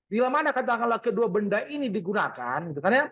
bila mana katakanlah kedua benda ini digunakan